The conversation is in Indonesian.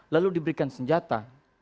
lalu diberikan senjata